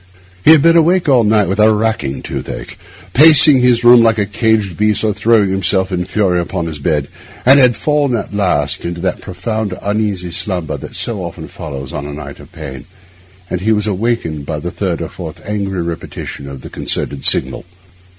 He had been awake all night with a racking toothache—pacing his room like a caged beast or throwing himself in fury on his bed—and had fallen at last into that profound, uneasy slumber that so often follows on a night of pain, when he was awakened by the third or fourth angry repetition of the concerted signal.